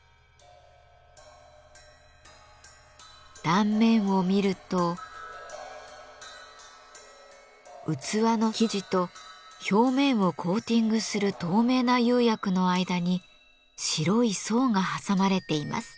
断面を見ると器の素地と表面をコーティングする透明な釉薬の間に白い層が挟まれています。